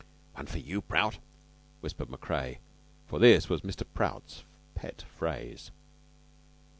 ("One for you, Prout," whispered Macrea, for this was Mr. Prout's pet phrase.)